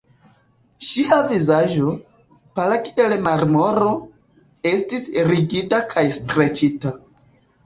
Ŝia vizaĝo, pala kiel marmoro, estis rigida kaj streĉita.